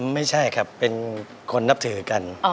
ไม่ใช่ครับเป็นคนนับถือกัน